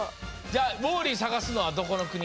じゃウォーリーさがすのはどこの国？